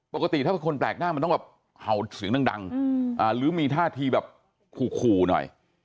ปกติถ้าเป็นคนแปลกหน้ามันต้องแบบเห่าเสียงดังหรือมีท่าทีแบบขู่หน่อย